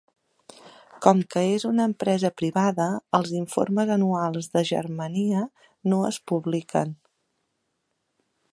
Com que és una empresa privada, els informes anuals de Germania no es publiquen.